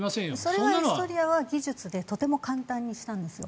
それをエストニアは技術でとても簡単にしたんですよ。